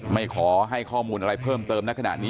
ไม่ขอให้ข้อมูลอะไรเพิ่มเติมในขณะนี้